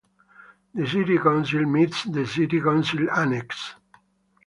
The City Council meets at the City Council Annex.